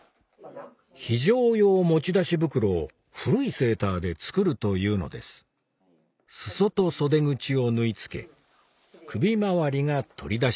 非常用持ち出し袋を古いセーターで作るというのです裾と袖口を縫い付け首回りが取り出し